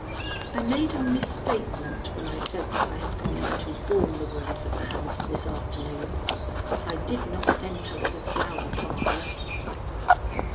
I made a misstatement when I said that I had gone into all the rooms of the house this afternoon. _I did not enter the Flower Parlor.